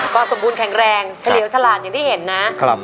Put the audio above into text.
ก็สมบูรณแข็งแรงเฉลี่ยวฉลาดอย่างที่เห็นนะ